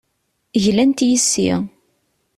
Glant yes-i.